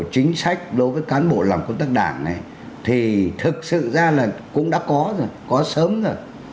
chính sách đối với cán bộ làm công tác đảng này thì thực sự ra là cũng đã có rồi có sớm rồi